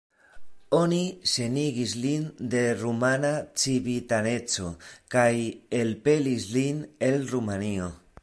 Oni senigis lin de rumana civitaneco kaj elpelis lin el Rumanio.